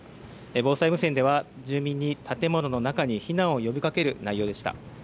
防災無線では住民に建物の中に避難を呼びかける内容でした。